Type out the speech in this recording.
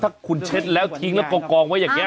ถ้าคุณเช็ดแล้วทิ้งแล้วกองไว้อย่างนี้